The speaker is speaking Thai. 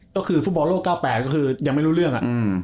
ก็คือฟุตบอลโลก๙๘ก็คือยังไม่รู้เรื่อง